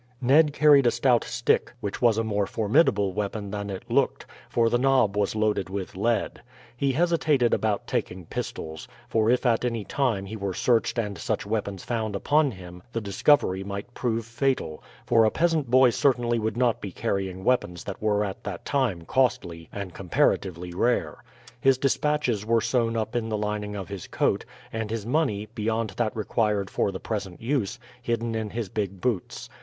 Ned carried a stout stick; which was a more formidable weapon than it looked, for the knob was loaded with lead. He hesitated about taking pistols; for if at any time he were searched and such weapons found upon him the discovery might prove fatal, for a peasant boy certainly would not be carrying weapons that were at that time costly and comparatively rare. His despatches were sewn up in the lining of his coat, and his money, beyond that required for the present use, hidden in his big boots.